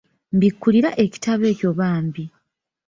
Mbikkulira ekitabo ekyo bambi.